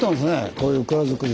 こういう蔵造りの。